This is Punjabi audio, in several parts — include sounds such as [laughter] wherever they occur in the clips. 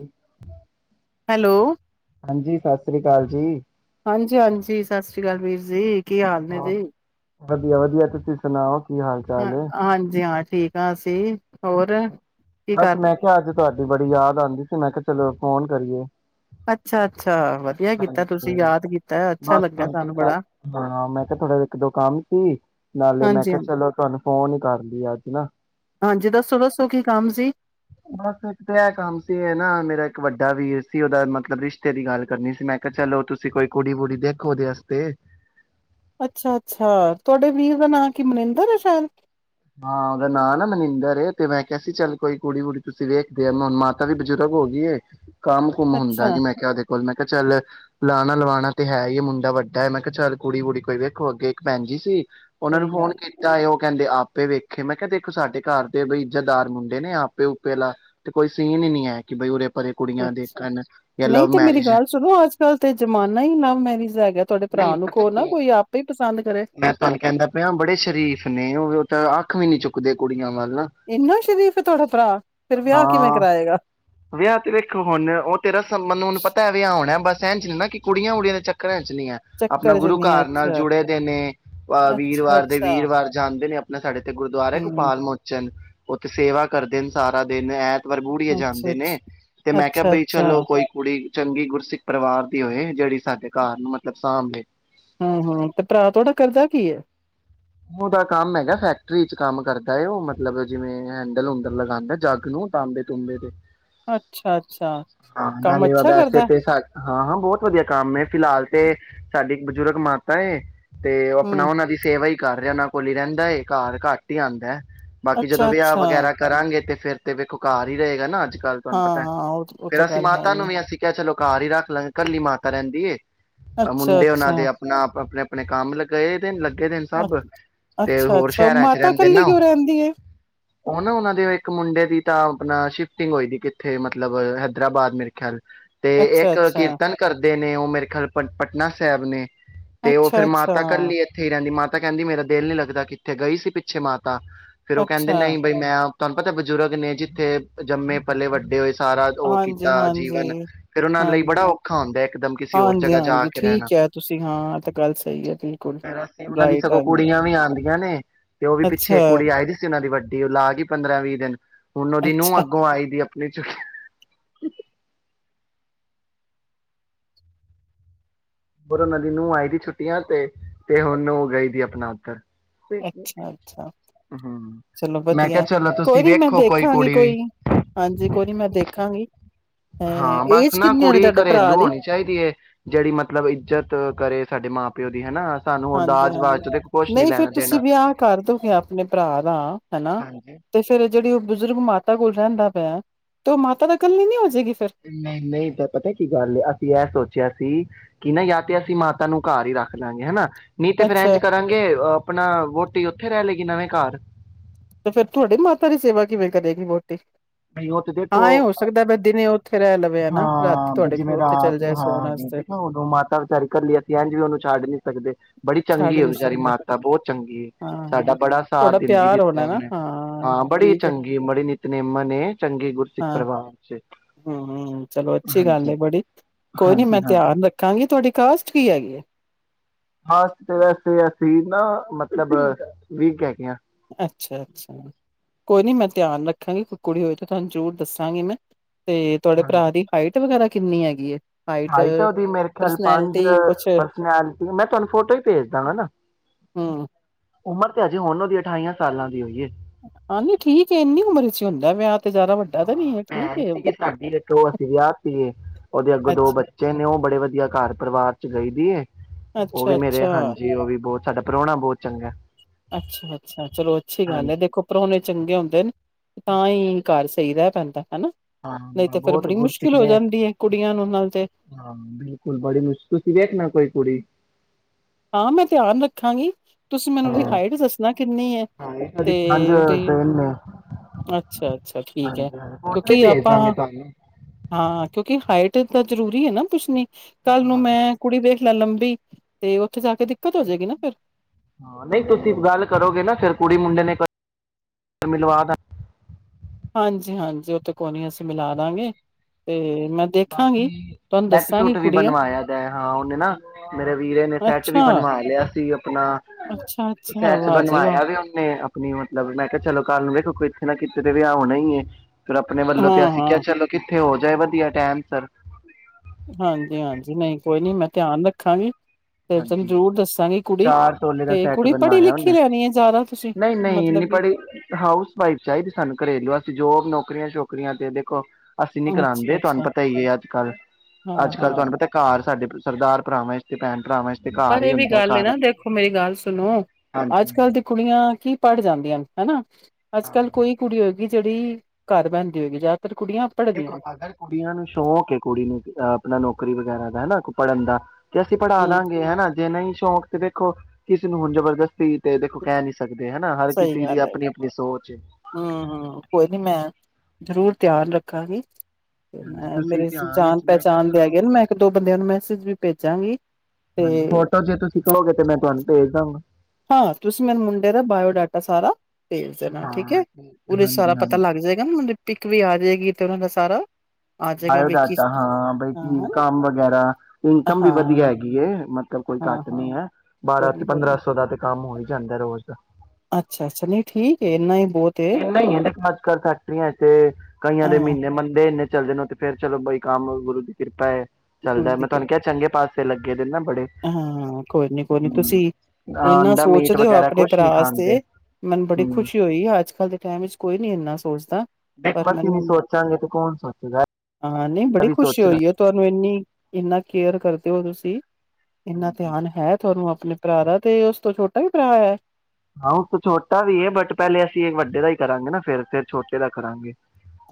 ਹੂੰ ਹੈਲੋ, ਸ੍ਰੀ ਅਕਾਲ ਜੀ। ਹਾਂਜੀ ਹਾਂਜੀ ਸਤਿ ਸ਼੍ਰੀ ਸਤਿ ਸ਼ਰਅਕਾਲ ਵੀ ਜੀ ਕੀ, ਹਾਲ ਨੇ ਜੇ ਵਧੀਆ, ਵਧੀਆ ਤੁਸੀਂ ਸੁਣਾਓ। ਕੀ ਹਾਲ ਹ ਚਾਲ ਏ? ਹਾਂਜੀ, ਹਾਂ ਠੀਕ ਹ ਅਸੀਂ ਹੋਰ ਕੀ ਬਸ ਕਰ ਮੈਂ, ਕਿਹਾ ਅੱਜ ਤੁਹਾਡੇ ਬੜੀ ਯਾਦ ਆਉਂਦੀ ਸੀ, ਮੈਂ ਕਿਹਾ ਚਲੋ ਫੋਨ ਕਰੀਏ ਅੱਛਾ ਅੱਛਾ ਹਾਂਜੀ, ਅੱਛਾ ਬਸ ਹਾਂ। ਲੱਗਾ ਸਾਨੂੰ ਬੜਾ, ਮੈਂ ਕਿਹਾ ਥੋੜਾ ਇੱਕ ਦੋ ਕੰਮ ਸੀ ਨਾਲੇ ਮੈਂ ਕਿਹਾ ਹਾਂਜੀ-ਹਾਂਜੀ। ਚਲੋ ਤੁਹਾਨੂੰ ਫੋਨ ਹੀ ਕਰਦੀ ਆ ਅੱਜ ਨਾ ਹਾਂਜੀ ਦੱਸੋ ਦੱਸੋ ਕੀ ਕੰਮ ਸੀ। ਬਸ ਇੱਕ ਤਾਂ ਇਹ ਕੰਮ ਸੀ ਨਾ ਮੇਰਾ ਇੱਕ ਵੱਡਾ ਵੀਰ ਸੀ। ਉਹਦਾ ਮਤਲਬ ਰਿਸ਼ਤੇ ਦੀ ਗੱਲ ਕਰਨੀ ਸੀ, ਮੈਂ ਕਿਹਾ ਚਲੋ ਤੁਸੀਂ ਕੋਈ ਕੁੜੀ ਵੂੜੀ ਦੇਖੋ ਉਹਦੇ ਵਾਸਤੇ ਅੱਛਾ ਅੱਛਾ ਤੁਹਾਡੇ ਵੀਰ ਦਾ ਨਾਂ ਕੀ ਮਨਿੰਦਰ ਹੈ। ਸ਼ਾਇਦ ਹਾਂ ਉਹਦਾ ਨਾਂ ਨਾ ਮਨਿੰਦਰ, ਤੇ ਮੈਂ ਕਿਹਾ ਸੀ ਚੱਲ ਕੋਈ ਕੁੜੀ ਕੁੜੀ ਤੁਸੀਂ ਵੇਖਦੇ ਆ ਮ ਹੁ ਮਾਤਾ ਵੀ ਬਜ਼ੁਰਗ ਹੋ ਗਈ ਕੰਮ ਕੁੁੰਮ ਹੁੰਦਾ, ਅੱਛਾ ਜੀ ਮੈਂ ਕਿਹਾ ਉਹਦੇ ਕੋਲ ਮੈਂ ਕਿਹਾ ਚੱਲ, ਲਾਉਣਾ ਲਵਾਉਣਾ ਤੇ ਹੈ ਹੀ ਮੁੰਡਾ ਵੱਡਾ ਹੈ ਮੈਂ ਕਿਹਾ ਚੱਲ ਕੁੜੀ ਕੁੜੀ ਕੋਈ ਵੇਖੋ ਅੱਗੇ ਇੱਕ ਭੈਣਜੀ ਸੀ ਉਹਨਾ ਨੂੰ ਸਹੀ ਫੋਨ ਗੱਲ ਕੀਤਾ ਹੈ, ਉਹ ਕਹਿੰਦੇ ਆਪ ਆਪੇ ਵੇਖੇ ਮੈਂ ਕਿਹਾ, ਦੇਖੋ ਸਾਡੇ ਘਰ ਦੇ ਬਈ ਇੱਜਦਾਰ ਮੁੰਡੇ ਨੇ ਆਪੇ ਉਪੇ ਲਾ ਤੇ ਕੋਈ ਸੀਨ ਹੀ ਨਹੀਂ ਹੈ। ਕਿ ਬਈ ਉਰੇ ਪਰੇ ਕੁੜੀਆਂ ਅੱਛ, ਦੇਖਣ ਜਾਂ ਨਹੀਂ ਲਵ ਤੇ ਮੇਰੀ ਮੈਰਿਜ ਗੱਲ ਸੁਣੋ ਅੱਜ ਕੱਲ ਤੇ ਜ਼ਮਾਨਾ ਹੀ ਲਵ ਮੈਰਿਜ ਹੈਗਾ ਤੁਹਾਡੇ ਭਰਾ ਨਹੀਂ ਨੂੰ ਪਤਾ ਕਹੋ ਨਾ ਕੀ ਕੋਈ ਆਪੇ ਹੀ ਪਸੰਦ ਕਰੇ, ਮੈਂ ਤੁਹਾਨੂੰ ਕਹਿੰਦਾ ਪਿਆ ਬੜੇ ਸ਼ਰੀਫ ਨੇ ਉਹ ਤਾਂ ਅੱਖ ਵੀ ਨਹੀਂ ਚੁੱਕਦੇ ਕੁੜੀਆਂ ਵੱਲ ਇੰਨਾ ਸ਼ਰੀਫ ਹੈ ਤੁਹਾਡਾ ਭਰਾ, ਫਿਰ ਵਿਆਹ ਕਿਵੇਂ ਹਾਂ ਕਰਾਏਗਾ? ਵਿਆਹ ਤੇ ਵੇਖੋ ਹੁਣ ਉਹ ਤੇਰਾ ਮੈਨੂੰ ਪਤਾ ਵਿਆਹ ਹੋਣਾ ਬਸ ਕਹਿਣ ਚ ਨਹੀਂ ਨਾ ਕਿ ਕੁੜੀਆਂ ਵੁੜੀਆਂ ਦੇ ਚੱਕਰਾਂ ਚ ਨਹੀਂ‌ ਏ ਆਪਣਾ ਚੱਕਰ ਚ ਗੁਰੂ ਨੀ ਹੈ ਘਰ ਨਾਲ ਅੱਛਾ। ਜੁੜੇ ਦੇ ਨੇ ਅਹ ਅੱਛਾ ਵੀਰਵਾਰ ਦੇ ਅੱਛਾ ਵੀਰਵਾਰ ਜਾਂਦੇ ਨੇ ਨਾ ਸਾਡੇ ਤੇ ਗੁਰਦੁਆਰਾ ਹਮ ਗੋਪਾਲ ਮੋਚਨ ਉੱਥੇ ਸੇਵਾ ਕਰਦੇ ਨੇ ਸਾਰਾ ਦਿਨ ਐ ਵਰਬੂੜਏ ਅੱਛਾ ਅੱਛਾ ਜਾਂਦੇ ਨੇ ਤੇ ਮੈਂ ਕਿਹਾ ਅੱਛਾ ਬਈ ਅੱਛਾ ਚਲੋ ਕੋਈ ਕੁੜੀ ਚੰਗੀ ਗੁਰਸਿੱਖ ਪਰਿਵਾਰ ਦੀ ਹੋਏ ਜਿਹੜੀ ਸਾਡੇ ਘਰ ਸ਼ਾਮੇ [inaudible] ਹਾ ਹਾ ਤੇ ਭਰਾ ਤੁਹਾਡਾ ਕਰਦਾ ਕੀ ਏ ਉਹਦਾ ਕੰਮ ਹੈਗਾ ਫੈਕਟਰੀ ਚ ਕੰਮ ਕਰਦਾ ਏ ਉਹ ਮਤਲਬ ਜਿਵੇਂ ਹੈਂਡਲ ਹੁੰਡਲ ਲਗਾਉਦਾ ਜੱਗ ਨੂੰ ਤਾਂਬੇ ਤੂੰਬੇ ਦੇ ਅੱਛਾ ਅੱਛਾ ਹਾ ਕੰਮ ਵ ਅੱਛਾ ਵੈਸੇ ਕਰਦਾ ਤੇ ਹਾਂ ਹਾਂ ਬਹੁਤ ਵਧੀਆ ਕੰਮ ਹੈ ਫਿਲਹਾਲ ਤੇ ਸਾਡੀ ਇੱਕ ਬਜ਼ੁਰਗ ਮਾਤਾ ਏ ਤੇ ਆਪਣਾ ਹਮ ਉਹਨਾਂ ਦੀ ਸੇਵਾ ਹੀ ਕਰ ਰਿਹਾ ਉਹਨਾਂ ਕੋਲ ਹੀ ਰਹਿੰਦਾ ਏ ਘਰ ਘੱਟ ਈ ਆਉਂਦਾ ਬਾਕੀ ਜਦੋਂ ਅੱਛਾ ਵਿਆਹ ਅੱਛਾ ਵਗੈਰਾ ਕਰਾਂਗੇ ਤੇ ਫੇਰ ਤੇ ਵੇਖੋ ਘਰ ਹੀ ਰਹੇਗਾ ਨਾ ਅੱਜ ਗੱਲ ਤੁਹਾਨੂੰ ਹਾਂ ਪਤਾ ਹਾਂ ਉਹ ਉਹ ਫੇਰ ਤਾਂ ਅਸੀਂ ਗੱਲ ਹੈ ਮਾਤਾ ਨੂੰ ਹੀ ਵੀ ਅਸੀਂ ਕਹਿ ਚਲੋ ਘਰ ਹੀ ਰੱਖ ਲਾਂਗੇ ਕਲੀ ਮਾਤਾ ਰਹਿੰਦੀ ਏ। ਅੱਛਾ ਮੁੰਡੇ ਉਹਨਾਂ ਅੱਛਾ ਦੇ ਆਪਣਾ ਆਪ ਆਪਣੇ ਆਪਣੇ ਕੰਮ ਲੱਗੇ ਲੱਗੇ ਦੇ ਅ ਸਭ ਤੇ ਅੱਛਾ ਹੋਰ ਅੱਛਾ ਸ਼ਹਿਰਾਂ ਚ ਮਾਤਾ ਰਹਿੰਦੇ ਕੱਲੀ ਨਾ ਕਿਉਂ ਰਹਿੰਦੀ ਹੈ ਉਹ ਨਾ ਉਹਨਾਂ ਦੇ ਇੱਕ ਮੁੰਡੇ ਦੀ ਤਾਂ ਆਪਣਾ ਸ਼ਿਫਟਿੰਗ ਹੋਈ ਸੀ ਕਿੱਥੇ ਮਤਲਬ ਹੈਦਰਾਬਾਦ ਮੇਰੇ ਖਿਆਲ ਤੇ ਅੱਛਾ ਇੱਕ ਅੱਛਾ ਕੀਰਤਨ ਕਰਦੇ ਨੇ ਉਹ ਮੇਰੇ ਖਿਆਲ ਪਟ ਪਟਨਾ ਸਾਹਿਬ ਨੇ ਤੇ ਉਹ ਅੱਛਾ ਫੇਰ ਅੱਛਾ ਮਾਤਾ ਕਲੀ ਈ ਇੱਥੇ ਹੀਰਾਂ ਦੀ ਮਾਤਾ ਤਾਂ ਕਹਿੰਦੀ ਮੇਰਾ ਦਿਲ ਨੀ ਲੱਗਦਾ ਕਿੱਥੇ ਗਈ ਸੀ ਪਿੱਛੇ ਮਾ ਤਾਂ ਫੇਿਰ ਉਹ ਕਹਿੰਦੇ ਅੱਛਾ ਨਹੀਂ ਬਈ ਮੈਂ ਤੁਹਾਨੂੰ ਪਤਾ ਬਜ਼ੁਰਗ ਨੇ ਜਿੱਥੇ ਜੰਮੇ ਪਲੇ ਵੱਡੇ ਹੋਏ ਸਾਰਾ ਉਹ ਹਾਂਜੀ ਕੀਤਾ ਜੀਵਨ ਹਾਂਜੀ ਫਿਰ ਉਹਨਾਂ ਲਈ ਬੜਾ ਹਾਂਜੀ ਔਖਾ ਹੁੰਦਾ ਇਕਦਮ ਕਿਸੇ ਹੋਰ ਹਾਂਜੀ ਜਗ੍ਹਾ ਜਾ ਹਾਂਜੀ ਕੇ ਰਹਿਣਾ ਠੀਕ ਹੈ ਤੁਸੀਂ ਇਹ ਤਾਂ ਗੱਲ ਸਹੀ ਹੈ ਬਿਲਕੁਲ ਰਾਈਟ ੳਹ ਹਾਂਜੀ ਕੁੜੀਆਂ ਵੀ ਆਦੀਆਂ ਨੇ ਤੇ ਉਹ ਵੀ ਪਿੱਛੇ ਅੱਛਾ ਕੁੜੀ ਆਈ ਸੀ ਦੀ ਵੱਡੀ ਉਹ ਲਾ ਗਈ ਪੰਦਰਾਂ-ਵੀਹ ਦਿਨ ਹੁਣ ਉਹਦੀ ਨੂੰਹ ਅੱਛਾ ਅੱਗੋਂ ਆਈ ਦੀ ਆਪਣੀ ਚ ਹੁਣ ਉਹਨਾਂ ਦੀ ਨੂੰਹ ਆਈ ਹੋਈ ਛੁੱਟੀਆਂ ਤੇ ਤੇ ਹੁਣ ਉਹ ਗਈ ਸੀ ਆਪਣਾ ਉੱਧਰ ਅੱਛਾ ਅੱਛਾ ਹੂੰ ਚਲੋ ਮੈਂ ਕਿਹਾ ਵਧੀਆ ਚਲੋ ਕੋਈ ਤੁਸੀਂ ਨੀ ਮੈਂ ਵੇਖੋ ਦੇਖਾਂਗੀ ਕੁੜੀ ਵੀ ਕੋਈ ਹਾਂਜੀ ਕੋਈ ਨੀ ਮੈਂ ਦੇਖਾਂਗੀ। ਅ ਹਾਂ ਬਸ ਏਜ ਨਾ ਕਿੰਨੀ ਹੋਣੀ ਕੁੜੀ ਤੁਹਾਡੇ ਭਰਾ ਘਰੇਲੂ ਦੀ ਹੋਣੀ ਚਾਹੀਦੀ ਹੈ ਜਿਹੜੀ ਮਤਲਬ ਇੱਜਤ ਕਰੇ ਸਾਡੇ ਮਾਂ ਪਿਓ ਦੀ ਹਨਾ ਸਾਨੂੰ ਉਹ ਹਾਂਜੀ ਦਾਜ ਹਾਂਜੀ ਵਾਜ ਤੇ ਕੁਛ ਨੀ ਨਹੀਂ ਫੇਰ ਲੈਣਾ ਤੁਸੀਂ ਦੇਣਾ ਵਿਆਹ ਕਰ ਦੋ ਗਏ ਆਪਣੇ ਭਰਾ ਦਾ ਹਨਾ ਹਾਂਜੀ ਤੇ ਫੇਰ ਜਿਹੜੀ ਉਹ ਬਜ਼ੁਰਗ ਮਾਤਾ ਕੋਲ ਰਹਿੰਦਾ ਪਿਆ ਤੇ ਉਹ ਮਾਤਾ ਤਾਂ ਕੱਲੀ ਨੀ ਹੋ ਜੇਗੀ। ਨਹੀਂ ਨਹੀਂ ਤਾਂ ਪਤਾ ਕੀ ਗੱਲ ਹੈ ਅਸੀਂ ਇਹ ਸੋਚਿਆ ਸੀ ਕਿ ਨਾ ਯਾ ਤਾਂ ਅਸੀਂ ਮਾਤਾ ਨੂੰ ਘਰ ਹੀ ਰੱਖ ਲਾਗੇ ਹਨਾ ਨੀ ਤੇ ਫਿਰ ਇੰਜ ਅੱਛਾ ਕਰਾਂਗੇ ਆਪਣਾ ਵੋਟੀ ਉੱਥੇ ਰਹਿ ਲਏਗੀ ਨਵੇਂ ਘਰ ਤੇ ਫੇਰ ਤੁਹਾਡੀ ਮਾਤਾ ਦੀ ਸੇਵਾ ਕਿਵੇਂ ਕਰੇਗੀ ਵੋਟੀ ਨਹੀਂ ਉਹ ਤੇ ਦੇਖੋ ਉੱਥੇ ਰਹਿ ਲਵੇ ਹਨਾ ਰਾਤੀ ਹਾਂ ਵੀ ਤੁਹਾਡੇ ਜਿਵੇਂ ਕੋਲ ਉੱਥੇ ਚੱਲ ਰਾਤ ਜਾਏ ਸੋਣ ਹਾਂਜੀ ਵਾਸਤੇ ਦੇਖੋਨੂੰ ਮਾਤਾ ਵਿਚਾਰੀ ਕਰ ਲਈ ਅਸੀਂ ਇੰਝ ਵੀ ਉਹਨੂੰ ਛੱਡ ਨੀ ਸਕਦੇ ਬੜੀ ਚੰਗੀ ਛੱਡ ਹੈ ਨੀ ਵਿਚਾਰੀ ਸਕਦੇ ਮਾਤਾ ਬਹੁਤ ਚੰਗੀ ਹੈ ਸਾਡਾ ਹਾਂ ਬੜਾ ਸਾਥ ਤੁਹਾਡਾ ਦਿੰਦੀ ਪਿਆਰ ਜੇ ਹੋਣਾ ਨਾ ਹਾਂ ਬੜੀ ਠੀਕ ਹੈ ਚੰਗੀ ਬੜੀ ਨਿੱਤਨੇਮੀ ਹਾਂ ਹਮ ਚਲੋ ਅੱਛੀ ਗੱਲ ਹੈ ਹਾਂਜੀ ਬੜੀ ਕੋਈ ਨੀ ਮੈਂ ਹਾਂਜੀ ਹਾਂਜੀ ਧਿਆਨ ਰੱਖਾਂਗੀ ਤੁਹਾਡੀ ਕਾਸਟ ਕੀ ਹੈਗੀ ਹਾਂ ਤੇ ਵੈਸੇ ਅਸੀਂ ਨਾ ਮਤਲਬ ਵੀਗ ਹੈ ਗ ਹ ਅੱਛਾ ਅੱਛਾ ਕੋਈ ਨੀ ਮੈ ਤਾਂ ਧਿਆਨ ਰੱਖਾਂਗੀ ਕੋ ਕੁੜੀ ਹੋਵੇ ਤਾਂ ਤੁਹਾਨੂੰ ਜ਼ਰੂਰ ਦੱਸਾਂਗੀ ਮੈਂ ਤੇ ਤੁਹਾਡੇ ਭਰਾ ਹਾਂਜੀ। ਦੀ ਹਾਈਟ ਵਗੈਰਾ ਕਿੰਨੀ ਹੈਗੀ ਏ ਹਾਈਟ ਤਾਂ ਉਹਦੀ ਮੇਰੇ ਖਿਆਲ ਪੰਜ ਪਰਸਨੈਲਿਟੀ ਕੁਛ ਪਰਸਨੈਲਿਟੀ ਮੈਂ ਤੁਹਾਨੂੰ ਫੋਟੋ ਹੀ ਭੇਜ ਦਾਗਾ ਨਾ ਹੂੰ, ਉਮਰ ਤੇ ਹਜੇ ਹੁਣ ਉਹ ਦੀ ਅਠਾਈਆਂ ਸਾਲਾਂ ਦੀ ਹੋਈ ਏ ਹਾਂਜੀ ਠੀਕ ਹੈ ਇੰਨੀ ਉਮਰ ਚ ਹੀ ਹੁੰਦਾ ਵਿਆਹ ਤੇ ਜ਼ਿਆਦਾ ਵੱਡਾ ਤਾਂ ਨੀ ਹਾਂ ਏ ਠੀਕ ਭੈਣ ਏ। ਸੀਗੀ ਸਾਡੀ ਤੇ ਉਹ ਅਸੀਂ ਵਿਆਹ ਸਉਹਦੇ ਅੱਗੋਂ ਦੋ ਅੱਛਾ, ਬੱਚੇ ਨੇ ਉਹ ਬੜੇ ਵਧੀਆ ਘਰ ਪਰਿਵਾਰ ਚ ਗਈ ਵੀ [unintelligible] ਉਹ ਵੀ ਮੇਰੇ ਅੱਛਾ-ਅੱਛਾ, ਹਾਂਜੀ ਉਹ ਵੀ ਬਹੁਤ ਸਾਡਾ ਪ੍ਰਾਹੁਣਾ ਬਹੁਤ ਚੰਗਾ ਅੱਛਾ ਅੱਛਾ ਚਲੋ ਅੱਛੀ ਗੱਲ ਹਾਂਜੀ ਹੈ ਦੇਖੋ ਪ੍ਰਾਹਣੇ ਚੰਗੇ ਹੁੰਦੇ ਨੇ ਤਾਂ ਹੀ ਘਰ ਸਹੀ ਰਹਿ ਪੈਂਦਾ। ਹਨਾ ਨਈ ਹਾਂ ਤੇ ਫੇਰ ਬਹੁਤ ਬੜੀ ਗੁਰਸਿਖ ਮੁਸ਼ਕਿਲ ਹੋ ਨੇ ਜਾਂਦੀ ਏ ਕੁੜੀਆਂ ਨੂੰ ਨਾਲ ਤੇ ਹਾਂ ਬਿਲਕੁਲ ਬੜੀ ਮੁਸ਼ਤੁਸੀ ਤੁਸੀ ਵੇਖਣਾ ਕੋਈ ਕੁੜੀ ਹਾਂ ਮੈਂ ਧਿਆਨ ਰੱਖਾਂਗੀ ਤੁਸੀਂ ਮੈਨੂੰ ਉਹਦੀ ਹਾਈਟ ਦੱਸਣਾ ਕਿੰਨੀ ਹੈ ਹਾਂ ਇਹਦੀ ਤੇ ਪੰਜ ਉਹਦੀ ਤਿੰਨ ਨੇ ਅੱਛਾ ਅੱਛਾ ਠੀਕ ਹੈ ਹਾਂਜੀ ਹਾਂਜੀ ਫੋਟੋ ਹੀ ਕਿਉਂਕਿ ਭੇਜ ਆਪਾਂ ਦਾਂਗੇ ਤੁਹਾਨੂੰ। ਹਾਂ ਕਿਉਂਕਿ ਹਾਈਟ ਇਹ ਤੇ ਜ਼ਰੂਰੀ ਹੈ ਨਾ ਪੁੱਛਣੀ। ਕੱਲ ਨੂੰ ਹਾਂ ਮੈਂ ਕੁੜੀ ਦੇਖ ਲੈ ਲੰ ਵੀ ਤੇ, ਉੱਥੇ ਜਾ ਕੇ ਦਿੱਕਤ ਹੋ ਜੇਗੀ ਨਾ ਫਿਰ। ਹਾਂ ਨਹੀਂ ਤੁਸੀਂ ਗੱਲ ਕਰੋਗੇ ਨਾ, ਫਿਰ ਕੁੜੀ ਮੁੰਡੇ ਨੂੰ ਇੱਕ ਵਾਰ ਮਿਲਵਾ ਦਾਂ ਹਾਂਜੀ-ਹਾਂਜੀ, ਉਹ ਤੇ ਕੋਈ ਨੀ, ਅਸੀਂ ਮਿਲਾ ਦਾਗੇ ਤੇ ਮੈਂ ਦੇਖਾਂਗੀ। ਬਾਕੀ ਤੁਹਾਨੂੰ ਸੈਟ ਦੱਸਾਂਗੀ ਸੂਟ ਵੀ ਕੁੜੀਆਂ ਬਨਵਾਇਆ ਦਾ ਐ ਹਾਂ ਉਹਨੇ ਨਾ, ਮੇਰੇ ਵੀਰੇ ਨੇ ਸੈਟ ਵੀ ਅੱਛਾ, ਬਨਵਾ ਲਿਆ ਸੀ ਆਪਣਾ, ਅੱਛਾ-ਅੱਛਾ ਸੈਟ ਵਾਹ ਜੀ ਵਾਹ! ਬਨਵਾਇਆ ਵੇ ਉਹਨੇ ਆਪਣੀ ਮਤਲਬ ਮੈਂ ਕਿਹਾ ਚਲੋ ਕੱਲ ਨੂੰ ਵੇਖੋ ਕਿੱਥੇ ਨਾ ਕਿੱਥੇ ਤੇ ਵਿਆਹ ਹੋਣਾ ਹੀ ਏ। ਫਿਰ ਆਪਣੇ ਵੱਲੋਂ ਤੇ ਅਸੀਂ ਕਿਹਾ ਹਾਂ-ਹਾਂ, ਚਲੋ ਕਿ ਥੇ ਹੋ ਜੇ ਵਧੀਆ ਟੈਮ ਸੇਰ ਹਾਂਜੀ-ਹਾਂਜੀ ਨਹੀਂ ਕੋਈ ਨੀ, ਮੈਂ ਧਿਆਨ ਰੱਖਾਂਗੀ। ਤੇ ਤੈਨੂੰ ਹਾਂਜੀ ਜ਼ਰੂਰ ਦੱਸਾਂਗੀ ਕੁੜੀ ਚਾਰ ਤੋਲੇ ਦਾ ਤੇ ਸੈਟ ਕੁੜੀ ਪੜ੍ਹੀ ਬਨਵਾਇਆ ਲਿਖੀ ਉਹਨੇ, ਲੈਣੀ ਹੈ ਜ਼ਿਆਦਾ ਤੁਸੀਂ ਨਹੀਂ-ਨਹੀਂ ਇੰਨੀ ਮਤਲਬ ਕਿ ਪੜ੍ਹੀ, ਹਾਊਸ ਵਾਈਫ ਚਾਹੀਦੀ ਸਾਨੂੰ, ਘਰੇਲੂ ਅਸੀਂ ਜੋਬ ਨੌਕ ਨੌਕਰੀਆਂ ਛੋਕਰੀਆਂ ਤੇ ਦੇਖੋ ਅਸੀਂ ਨੀ ਅੱਛਾ ਕਰਾਂਦੇ ਤੁਹਾਨੂੰ ਅੱਛਾ ਪਤਾ ਹੀ ਐ, ਅੱਜ ਕੱਲ੍ਹ, ਹਾਂ ਅੱਜ ਕੱਲ੍ਹ ਹਾਂ ਤੁਹਾਨੂੰ ਪਤਾ ਘਰ ਸਾਡੇ ਸਰਦਾਰ ਭਰਾਵਾਂ ਚ ਤੇ ਭੈਣ ਭਰਾਵਾਂ ਚ ਤੇ ਘਰ ਪਰ ਹੀ ਇਹ ਵੀ ਹੁੰਦਾ ਗੱਲ ਹੈ ਘਰ ਹੀ ਨਾ ਦੇਖੋ ਮੇਰੀ ਗੱਲ ਸੁਣੋ, ਅੱਜ ਹਾਂਜੀ ਕੱਲ ਦੀ ਕੁੜੀਆਂ ਕੀ ਪੜ ਜਾਂਦੀਆਂ ਹੈਨਾ। ਅੱਜ ਕੱਲ ਕੋਈ ਕੁੜੀ ਹੋਏ ਜਿਹੜੀ ਘਰ ਬੈਂਦੀ ਹੋਏਗੀ ਜਾਂ ਦੇਖੋ ਅਗਰ ਕੁੜੀਆਂ ਨੂੰ ਸ਼ੌਕ ਹੈ, ਕੁੜੀ ਨੂੰ ਅ ਆਪਣਾ ਨੌਕਰੀ ਵਗੈਰਾ ਦਾ ਹੈ ਨਾ ਪੜ੍ਹਨ ਦਾ ਤੇ ਅਸੀ ਪੜਾ ਹਮ ਦਾਂਗੇਂ ਹਨਾ। ਜੇ ਨਹੀਂ ਸ਼ੌਕ ਤੇ ਦੇਖੋ ਕਿਸੇ ਨੂੰ ਹੁਣ ਜਬਰਦਸਤੀ ਤੇ ਦੇਖੋ ਕਹਿ ਨਹੀ ਸਕਦੇ ਹਨਾ, ਹਰ ਕਿਸੇ ਦੀ ਆਪਣੀ ਆਪਣੀ ਸੋਚ ਹੈ ਹੂੰ, ਹੂੰ, ਕੋਈ ਨੀ ਮੈਂ ਜ਼ਰੂਰ ਧਿਆਨ ਰੱਖਾਂਗੀ। ਤੇ ਹਾਂਜੀ ਮੈਂ ਤੁਸੀਂ ਮੇਰੇ ਧਿਆਨ ਜਾਨ ਵਿੱਚ ਮੈਂ ਕਿਹਾ ਪਹਿਚਾਨ ਦੇ ਚਲੋ ਹੈਗੇ, ਮੈਂ ਇੱਕ ਦੋ ਬੰਦਿਆਂ ਨੂੰ ਮੈਸੇਜ ਵੀ ਭੇਜਾਂਗੀ ਤੇ ਹਾਂਜੀ ਫੋਟੋ ਜੇ ਤੁਸੀਂ ਕਹੋਗੇ ਤੇ ਮੈਂ ਤੁਹਾਨੂੰ ਭੇਜ ਦਾਂਗਾ ਹਾਂ, ਤੁਸੀਂ ਮੇਨੂੰ ਮੁੰਡੇ ਦਾ ਬਾਇਓਡਾਟਾ ਸਾਰਾ ਭੇਜ ਦੇਣਾ ਠੀਕ ਹੈ, ਹਾਂ ਉਹਦੇ ਚ ਸਾਰਾ ਹਾਂਜੀ ਪਤਾ ਹਾਂਜੀ ਲੱਗ ਜਾਏਗਾ ਨਾ ਉਹਦੀ ਪਿੱਕ ਵੀ ਆ ਜਾਏਗੀ ਤੇ ਉਹਨਾਂ ਦਾ ਸਾਰਾ ਆ ਜਾਏਗਾ ਵੀ ਕਿਸ ਬਾਇਓਡਾਟਾ ਹਾਂ ਬਕੀ ਕੰਮ ਵਗੈਰਾ, ਇਨਕਮ ਵੀ ਵਧੀਆ ਹਾਂ ਹੈਗੀ ਏ, ਮਤਲਬ ਕੋਈ ਹਾਂ ਘੱਟ ਹਾਂ ਨੀ ਹੈ ਕੋਈ ਬਾਰਾਂ ਤੇ ਨੀ ਕੋਈ ਪੰਦਰਾਂ ਨੀ ਸੌ ਤੇ ਕੰਮ ਹੋ ਹੀ ਜਾਂਦਾ ਰੋਜ਼ ਦਾ। ਅੱਛਾ ਅੱਛਾ ਨਹੀਂ ਠੀਕ ਏ ਇੰਨਾ ਹੀ ਬਹੁਤ ਏ ਨਹੀਂ [unintelligible] ਫੈਕਟਰੀਆਂ ਚ ਤੇ ਕਈਆਂ ਦੇ ਹਾਂ ਮਹੀਨੇ ਮੰੰਦੇ ਇਨੇ ਚੱਲਦੇ ਨੇ ਤੇ ਉਹ ਫੇਰ ਚਲੋ ਬਈ ਕੰਮ ਗੁਰੂ ਦੀ ਕਿਰਪਾ ਏ। ਗੁਰੂ ਚੱਲਦਾ ਦੀ ਮੈਂ ਤੁਹਾਨੂੰ ਕਿਰਪਾ। ਕਿਹਾ ਚੰਗੇ ਪਾ ਤੇ ਲਗੇ ਦੇ ਨਾ ਬੜੇ ਹਾਂ ਕੋਈ ਨੀ ਕੋਈ ਨੀ ਤੁਸੀਂ, ਇਨਾ ਅੰਡਾ ਮੀਟ ਸੋਚਦੇ ਹੋ ਵਗੈਰਾ ਆਪਣੇ ਕੁਛ ਭਰਾ ਨੀ ਖਾਂਦੇ ਆਸਤੇ ਮੈਨੂੰ ਬੜੀ ਹਮ ਖੁਸ਼ੀ ਹੋਈ ਅੱਜ ਕੱਲ ਦੇ ਟਾਈਮ ਵਿੱਚ ਕੋਈ ਨੀ ਇੰਨਾ ਸੋਚਦਾ। ਪਰ ਦੇਖੋ ਅਸੀਂ ਮੈਨੂੰ ਨੀ ਸੋਚਾਂਗੇ ਤੇ ਕੌਣ ਸੋਚੇਗਾ। ਹਾਂ ਨਹੀਂ ਇਹ ਬੜੀ ਵੀ ਖੁਸ਼ੀ ਸੋਚਣਾ ਹੋਈ ਹੈ ਤੁਹਾਨੂੰ ਇੰਨੀ ਇੰਨਾ ਕੇਅਰ ਕਰਦੇ ਹੋ ਤੁਸੀਂ ਇੰਨਾ ਧਿਆਨ ਹੈ ਤੁਹਾਨੂੰ ਆਪਣੇ ਭਰਾ ਦਾ ਤੇ ਉਸ ਤੋਂ ਛੋਟਾ ਵੀ ਭਰਾ ਹੈ। ਹਾਂ ਉਸ ਤੋਂ ਛੋਟਾ ਵੀ ਹੈ ਬਟ ਪਹਿਲੇ ਅਸੀਂ ਇਹ ਵੱਡੇ ਦਾ ਹੀ ਕਰਾਂਗੇ ਨਾ ਫੇਰ ਫਿਰ ਛੋਟੇ ਦਾ ਕਰਾਂਗੇ।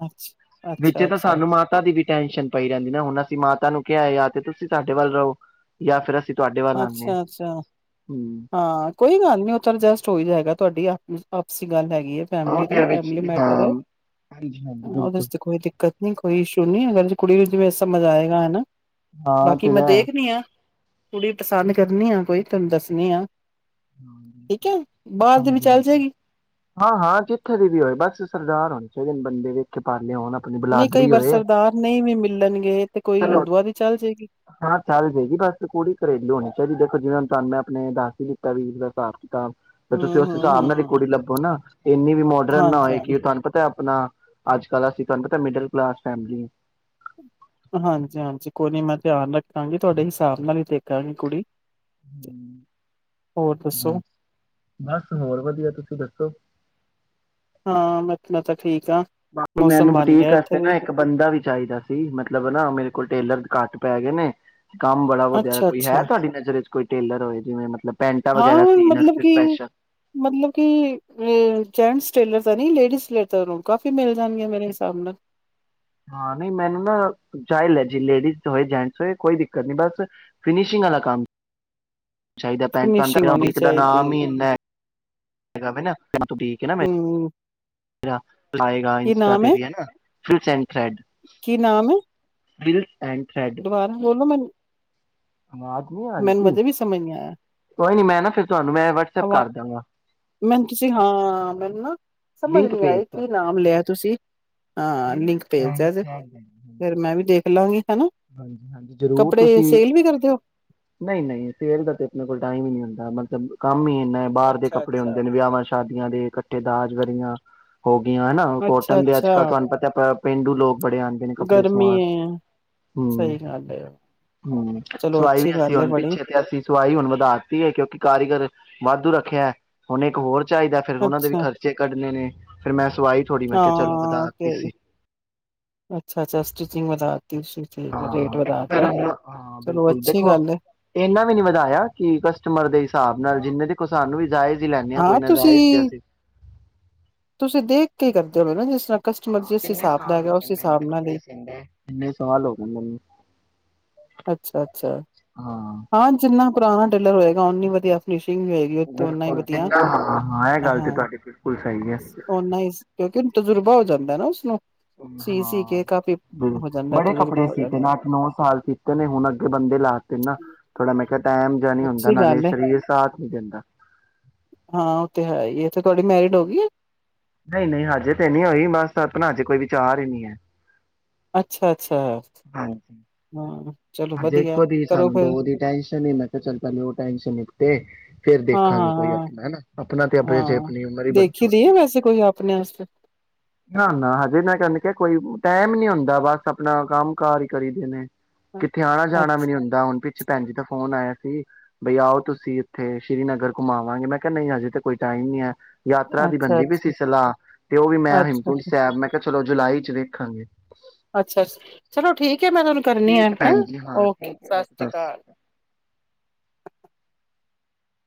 ਅੱਛਾ ਅੱਛਾ ਵਿੱਚੇ ਤਾਂ ਅੱਛਾ ਸਾਨੂੰ ਮਾਤਾ ਦੀ ਵੀ ਟੈਸ਼ਨ ਪਈ ਰਹਿੰਦੀ ਨਾ ਹੁਣ ਅਸੀਂ ਮਾਤਾ ਨੂੰ ਕਿਹਾ ਤਾਂ ਤੇ ਤੁਸੀਂ ਸਾਡੇ ਵੱਲ ਰਹੋ, ਯਾ ਫਿਰ ਅਸੀਂ ਤੁਹਾਡੇ ਵੱਲ ਆਨੇ ਅੱਛਾ ਹਾਂ ਅੱਛਾ, ਹੂੰ ਹਾਂ ਕੋਈ ਗੱਲ ਨੀ ਉਹ ਤੇ ਅਡਜਸਟ ਹੋ ਈ ਜਾਏਗਾ ਤੁਹਾਡੀ ਆਪਸੀ ਗੱਲ ਹੈਗੀ। ਕੀ ਏ ਹਾਂ ਫੈਮਲੀ ਦੀ ਤੇ ਵਿੱਚ ਫੈਮਲੀ ਹਾਂ ਮੈਟਰ ਹੈ, ਹਾਂਜੀ ਹਾਂਜੀ ਉਹਦੇ ਬਿਲਕੁਲ ਚ ਤਾਂ ਕੋਈ ਦਿੱਕਤ ਨੀ ਕੋਈ ਇਸ਼ੂ ਨੀ ਅਗਰ ਜੇ ਕੁੜੀ ਨੂੰ ਜਿਵੇਂ ਸਮਝ ਆਏਗਾ ਹਨਾ। ਹਾਂ ਬਾਕੀ ਮੈਂ ਤੇਰਾ ਦੇਖਣੀ ਆ ਕੁੜੀ ਪਸੰਦ ਕਰਨੀ ਆ ਕੋਈ ਤੁਹਾਨੂੰ ਦੱਸਨੀ ਆ। ਹਾਂਜੀ, ਠੀਕ ਹੈ ਬਾਹਰ ਦੀ ਵੀ ਚੱਲ ਜਾਏਗੀ ਹਾਂ ਹਾਂ ਜਿੱਥੇ ਦੀ ਵੀ ਹੋਏ ਬਸ ਸਰਦਾਰ ਹੋਣੀ [unintelligible] ਬੰਦੇ ਵੇਖੇ ਕੇ ਪਾ ਨਹੀਂ ਕਈ ਵਾਰ ਸਰਦਾਰ ਨਹੀਂ ਵੀ ਮਿਲਣਗੇ ਤੇ ਕੋਈ ਚਲੋ ਹਿੰਦੂਆਂ ਦੀ ਚੱਲ ਜਾਏਗੀ। ਹਾਂ ਚੱਲ ਜਾਏਗੀ ਬਸ ਕੁੜੀ ਘਰੇਲੂ ਹੋਣੀ ਚਾਹੀਦੀ ਦੇਖੋ ਜਿਵੇਂ ਹੁਣ ਤੁਹਾਨੂੰ ਮੈਂ ਆਪਣੇ ਦੱਸ ਹੀ ਦਿੱਤਾ ਵੀਰ ਦਾ ਹਿਸਾਬ ਤਾਂ ਤੇ ਤੁਸੀਂ ਹਮ ਉਸ ਹਮ ਹਿਸਾਬ ਨਾਲ ਜੇ ਹਮ ਕੁੜੀ ਲੱਭੋ ਨਾ ਇੰਨੀ ਵੀ ਮੋਡਰਨ ਨਾ ਹਾਂਜੀ ਹੋਏ ਹਾਂਜੀ ਕਿ ਉਹ ਤੁਹਾਨੂੰ ਪਤਾ ਆਪਣਾ, ਅੱਜ-ਕੱਲ੍ਹ ਅਸੀਂ ਤੁਹਾਨੂੰ ਪਤਾ ਮਿਡਲ ਕਲਾਸ ਫੈਮਲੀ ਆ। ਹਾਂਜੀ ਹਾਂਜੀ ਕੋਈ ਨੀ ਮੈਂ ਧਿਆਨ ਰੱਖਾਂਗੀ ਤੁਹਾਡੇ ਹਿਸਾਬ ਨਾਲ ਹੀ ਦੇਖਾਂਗੀ ਕੁੜੀ। ਹੋਰ ਦੱਸੋ? ਬਸ ਹੋਰ ਵਧੀਆ ਤੁਸੀਂ ਦੱਸੋ। ਹਾਂ ਮੈਂ ਤਾਂ ਠੀਕ ਆ ਬਾਕੀ ਮੌਸਮ ਮੈਨੂੰ ਬਣ ਬੁਟੀਕ ਗਿਆ ਇੱਥੇ ਆਸਤੇ ਵੀ ਨਾ ਇੱਕ ਬੰਦਾ ਵੀ ਚਾਹੀਦਾ ਸੀ ਮਤਲਬ ਨਾ ਮੇਰੇ ਕੋਲ ਟੇਲਰ ਘੱਟ ਪੈ ਗਏ ਨੇ। ਕੰਮ ਬੜਾ ਵਧੀਆ ਕੋਈ ਹੈ ਅੱਛਾ-ਅੱਛਾ ਤੁਹਾਡੀ ਨਜ਼ਰ ਚ। ਕੋਈ ਟੇਲਰ ਹੋਏ ਜਿਵੇਂ ਮਤਲਬ ਪੈਂਟਾਂ ਹਾਂ ਵਗੈਰਾ ਸੀਨ ਮਤਲਬ ਵਾਸਤੇ ਕੀ, ਸਪੈਸ਼ਲ ਮਤਲਬ ਕੀ ਜੈਂਟਸ ਟੇਲਰ। ਤਾਂ ਨੀ ਲੇਡੀਜ਼ ਟੇਲਰ ਨੂੰ ਕਾਫੀ ਮਿਲ ਜਾਣਗੇ ਮੇਰੇ ਹਿਸਾਬ ਨਾਲ। ਹਾਂ ਨਹੀਂ ਮੈਨੂੰ ਨਾ ਚਾਈ ਲੈ ਜੀ ਲੇਡੀਜ਼ ਹੋਏ ਜੈਂਟਸ ਹੋਏ ਕੋਈ ਦਿੱਕਤ ਨਹੀਂ ਬਸ ਫਿਨਸ਼ਿੰਗ ਵਾਲਾ ਕੰਮ ਚਾਹੀਦਾ ਪੈਂਟਾ ਫਿਨਿਸ਼ਿੰਗ ਹੋਣੀ ਦਾ ਚਾਹੀਦੀ ਨਾਮ ਹੀ ਇੰਨਾ ਏ ਹੂੰ ਕੀ ਇੰਸਟਾ ਨਾਮ ਤੇ ਹੈ ਵੀਾ [unintelligible] ਫਿਲਸਨ ਕੀ ਨਾਮ ਏ ਬਿਲ ਦੁਬਾਰਾ ਬੋਲੋ ਮੈਨੂੰ ਆਵਾਜ਼ ਨਹੀਂ ਆ ਰਹੀ ਮੈਨੂੰ ਕਿ ਕੋਈ ਨੀ ਮੈਂ ਨਾ ਫਿਰ ਤੁਹਾਨੂੰ ਮੈਂ ਵਟਸਐਪ ਆਵਾਜ ਕਰ ਦਾਂਗਾ ਮੈਨੂੰ ਤੁਸੀਂ ਹਾਂ ਮੈਨੂੰ ਨਾ ਸਮਝ ਲਿੰਕ ਨੀ ਭੇਜ ਆਈ ਕੀ ਦਾਂਗਾ ਨਾਮ ਲਿਆ ਤੁਸੀਂ ਹਾਂ ਲਿੰਕ ਭੇਜ ਦਿਆ ਹਾਂਜੀ ਜੇ ਫੇਰ ਮੈਂ ਵੀ ਦੇਖ ਲਾਂਗੀ ਹਨਾ। ਹਾਂਜੀ ਜਰੂਰ ਕੱਪੜੇ ਤੁਸੀਂ ਸੇਲ ਵੀ ਕਰਦੇ ਹੋ? ਨਹੀਂ ਨਹੀਂ ਸੇਲ ਦਾ ਤੇ ਆਪਣੇ ਕੋਲ ਟਾਈਮ ਹੀ ਨਹੀਂ ਹੁੰਦਾ ਮਤਲਬ ਕੰਮ ਹੀ ਬਾਹਰ ਦੇ ਕੱੜੇ ਅੱਛਾ-ਅੱਛਾ। ਹੁੰਦੇ ਵਿਆਹਾਂ ਸ਼ਾਦੀਆਂ ਸ਼ਾਦੀਆਂ ਦੇ ਇਕੱਠੇ ਦਾਜਗਰੀਆਂ ਹੋ ਹਨਾ ਕੋਟਨ ਦੇ ਅੱਛਾ-ਅੱਛਾ ਅੱਜਕਲ੍ਹ ਤੁਹਾਨੂੰ ਪਤਾ ਆਪ ਪੇਂਡੂ ਲੋਕ ਬੜੇ ਆਂਦੇ ਨੇ ਕੱਪੜੇ ਗਰਮੀ ਸਵਾਣ ਏ ਹੂੰ ਸਹੀ ਗੱਲ ਏ। ਹੂੰ ਚਲੋ ਸਵਾਈ ਅੱਛੀ ਵੀ ਅਸੀਂ ਗੱਲ ਏ ਹੁਣ ਬੜੀ ਪਿੱਛੇ ਤੇ ਅਸੀਂ ਸਵਾਈ ਹੁਣ ਵਧਾਤੀ ਹੈ ਕਿਉਂਕਿ ਕਾਰੀਗਰ ਵਾਧੂ ਰੱਖਿਆ ਹੈ ਹੁਣੀ ਇੱਕ ਹੋਰ ਚਾਹੀਦਾ ਫਿਰ ਉਹਨਾ ਦੇ ਅੱਛਾ ਖਰਚੇ ਕੱਢਣੇ ਨੇ ਫੇਰ ਮੈਂ ਸਵਾਈ ਥੋੜ੍ਹੀ ਮੈਂ ਕਿਹਾ ਚਲੋ ਵਧਾ ਅੱਛਾ ਅੱਛਾ ਸਟੀਚਿੰਗ ਵਧਾ ਹਾਂ ਹਾਂ ਚਲੋ ਬਿਲਕੁਲ ਅੱਛੀ ਦੇਖੋ ਗੱਲ ਏ। ਇਹਨਾ ਵੀ ਨੀ ਵਧਾਇਆ ਕਿ ਕਸਟਮਰ ਦੇ ਹਿਸਾਬ ਨਾਲ ਜਿੰਨੇ ਦੇ ਸਾਨੂੰ ਵੀ ਜਾਇਜ਼ ਲੈਣੇ ਹਾਂ ਕੋਈ ਨਾ ਜਾਇਜ ਤਾਂ ਅਸੀਂ ਤੁਸੀਂ ਦੇਖ ਕੇ ਕਰਦੇ ਹੋ ਨਾ ਜਿਸ ਤਰ੍ਹਾਂ ਕਸਟਮਰ ਹਾਂ ਜਿਸ ਕਿੰਨੇ ਹਿਸਾਬ ਦਾ ਸਾਲ ਹੈਗਾ ਹੋ ਗਏ ਉਸ ਮੈਨੂੰ ਹਿਸਾਬ ਨਾਲ ਕੱਪੜੇ ਹੀ ਸੀਦੇ ਕਿੰਨੇ ਸਾਲ ਹੋ ਗਏ ਮੈਨੂੰ ਅੱਛਾ ਅੱਛਾ ਹਾਂ ਜਿੰਨਾ ਪੁਰਾਣਾ ਟੇਲਰ ਹੋਏਗਾ ਉਨੀ ਵਧੀਆ ਫਿਨੀਸ਼ ਹੋਏਗੀ ਓਨਾ ਹੀ ਬਿਲਕੁਲ ਵਧੀਆ ਜਿੰਨਾ ਹਾਂ ਇਹ ਗੱਲ ਤੇ ਹਾਂ ਤੁਹਾਡੀ ਬਿਲਕੁਲ ਸਹੀ ਹੈ ਓਨਾ ਹੀ ਕਿਉਂਕਿ ਤਜੁਰਬਾ ਹੋ ਧੌਦਾ ਨਾ ਉਸਨੂੰ ਸੀ ਸੀ ਹਾਂ ਕੇ ਕਾਫੀ ਹੋ ਜਾਂਦਾ ਬੜੇ ਕੱਪੜੇ ਤਜੁਰਬਾ ਹੋ ਸੀਤੇ ਜਾਂਦਾ। ਨੇ ਅੱਠ ਨੌ ਸਾਲ ਸੀਤੇ ਨੇ ਹੁਣ ਅੱਗੇ ਬੰਦੇ ਲਾਤੇ ਨਾ ਥੋੜ੍ਹਾ ਮੈਂ ਕਿਹਾ ਟਾਈਮ ਜਿਹਾ ਨਹੀਂ ਹੁੰਦਾ ਅੱਛੀ ਨਾਲੇ ਗੱਲ ਏ ਸਰੀਰ ਸਾਥ ਨਹੀਂ ਦਿੰਦਾ। ਹਾਂ ਉਹ ਤੇ ਹੈ ਹੀ ਇਥੇ ਤੁਹਾਡੀ ਮੈਰਿਡ ਹੋ ਗਈ ਆ। ਨਹੀਂ ਨਹੀਂ ਹਜੇ ਤੇ ਨੀ ਹੋਈ ਬਸ ਆਪਣਾ ਅਜੇ ਕੋਈ ਵਿਚਾਰ ਹੀ ਨਹੀਂ ਹੈ। ਅੱਛਾ, ਅੱਛਾ ਹੂੰ, ਹਜੇ ਇੱਕੋ ਦੀ ਸਾਨੂੰ ਦੋ ਦੀ ਟੈਸ਼ਨ ਹੀ ਮੈਂ ਕਿਹਾ ਚੱਲ ਪਹਿਲੇ ਉਹ ਟੈਸ਼ਨ ਨਿਪਟੇ ਤੇ ਫੇਰ ਹਾਂ ਦੇਖਾਂਗੇ ਹਾਂ ਕੋਈ ਹਾਂ ਆਪਣਾ ਹਨਾ, ਆਪਣਾ ਤੇ ਆਪੇ ਹਾਂ ਆਪਣੀ ਉਮਰ ਹੀ ਬੜੀ ਦੇਖੀ ਦੀ ਛੋਟੀ, ਹੈ ਵੈਸੇ ਕੋਈ ਆਪਣੇ ਵਾਸਤੇ ਨਾ ਨਾ ਹਜੇ ਮੈਂ ਕਹ ਕਿਹਾ ਕੋਈ, ਟਾਈਮ ਨੀ ਹੁੰਦਾ ਬਸ ਆਪਣਾ ਕੰਮ ਕਾਰ ਹੀ ਕਰੀ ਦੇ ਨੇ, ਕਿੱਥੇ ਆਣਾ ਅੱਛਾ ਜਾਣਾ ਵੀ ਨੀ ਹੁੰਦਾ ਹੁਣ ਅੱਛਾ ਭੈਣ ਜੀ ਤਾਂ ਫੋਨ ਆਇਆ ਸੀ, ਬਈ ਆਓ ਤੁਸੀਂ ਇੱਥੇ ਸ੍ਰੀ ਨਗਰ ਘੁੰਮਾਵਾਂਗੀ ਮੈਂ ਕਿਹਾ ਨਹੀਂ ਹਜੇ ਤਾਂ ਕੋਈ ਟਾਈਮ ਨੀ ਹੈ। ਯਾਤਰਾ ਦੀ ਅੱਛਾ ਬਣਦੀ ਅੱਛਾ ਵੀ ਸੀ ਸਲਾਹ ਤੇ ਉਹ ਵੀ ਮੈਂ ਅੱਛਾ ਹੇਮਕੁੰਟ ਸਾਹਿਬ ਮੈਂ ਕਿਹਾ ਚਲੋ ਜੁਲਾਈ ਦੇਖਾਂਗੇ। ਅੱਛਾ ਅੱਛਾ ਚਲੋ ਠੀਕ, ਐ ਮੈਂ ਇਨਾ ਨੂੰ ਕਰਨੀ ਆ ਠੀਕ ਹੈ ਭੈਣ ਜੀ ਹਾਂ ਓਕੇ ਠੀਕ ਹੈ ਸਤਿ ਸ਼੍ਰੀ ਅਕਾਲ,